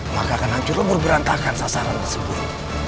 maka akan hancur lebur berantakan sasaran tersebut